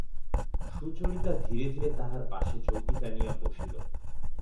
সুচরিতা ধীরে ধীরে তাঁহার পাশে চৌকি টানিয়া লইয়া বসিল।